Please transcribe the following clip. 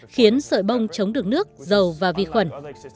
khiến sợi bông chống được nước dầu và vi khuẩn